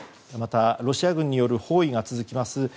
また、ロシア軍による包囲が続きます